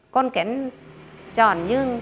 con kén tròn như